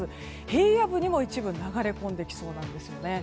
平野部にも一部流れ込んできそうなんですよね。